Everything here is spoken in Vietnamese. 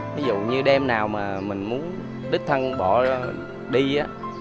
ví dụ như đêm nào mà mình muốn đứt thân bỏ đi á